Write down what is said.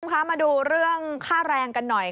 คุณผู้ชมคะมาดูเรื่องค่าแรงกันหน่อย